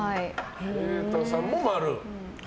瑛太さんも○。